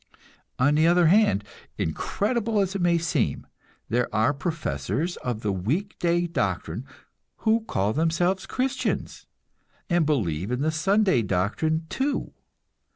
On the other hand, incredible as it may seem, there are professors of the week day doctrine who call themselves Christians, and believe in the Sunday doctrine, too.